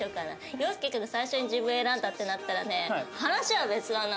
陽介君が最初に自分を選んだってなったらね話は別だな。